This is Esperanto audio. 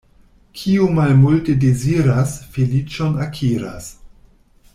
Kiu malmulte deziras, feliĉon akiras.